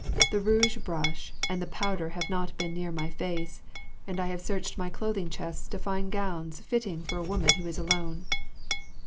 The rouge brush and the powder have not been near my face, and I have searched my clothing chests to find gowns fitting for a woman who is alone.